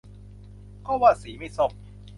ก็ว่าสีไม่ส้ม